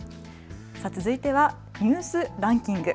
続いてはニュースランキング。